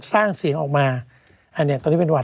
สร้างเสียงออกมาอันนี้ตอนนี้เป็นหวัด